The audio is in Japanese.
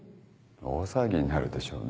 大騒ぎになるでしょうね。